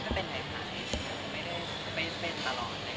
ก็ไม่ได้ตลอดใช่ไหมคะ